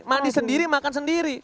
mandi sendiri makan sendiri